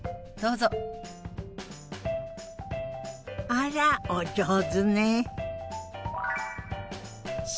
あらお上手ね。